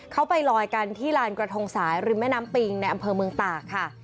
เขาไปลอยกันที่ลานกระทงสายริมแม่น้ำปิงในอำเภอเมืองตากค่ะ